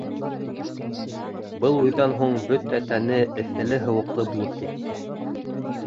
Был уйҙан һуң бөтә тәне эҫеле-һыуыҡлы булып китте.